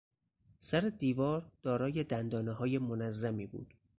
سر دیوار دارای دندانههای منظمی بود.